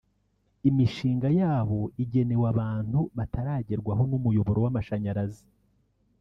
imishinga yabo igenewe abantu bataragerwaho n’umuyoboro w’amashanyarazi